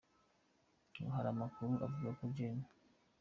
Ngo hari amakuru avuga ko Gen.